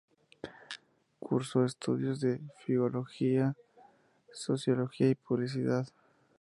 Cursó estudios de Filología, Sociología y Publicidad.